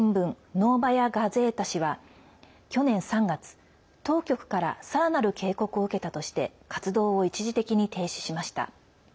ノーバヤ・ガゼータ紙は去年３月、当局からさらなる警告を受けたとして活動を一時的に停止しました。